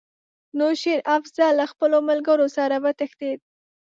نو شېر افضل له خپلو ملګرو سره وتښتېد.